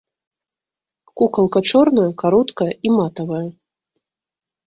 Кукалка чорная, кароткая і матавая.